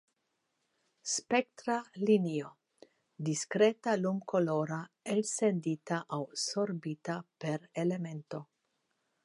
Spektra Linio: Diskreta lumkoloro elsendita aŭ sorbita per elemento.